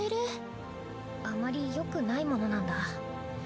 あまりよくないものなんだ。